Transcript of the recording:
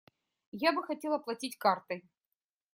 Я бы хотел оплатить картой.